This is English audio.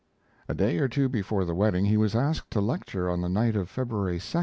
A day or two before the wedding he was asked to lecture on the night of February 2d.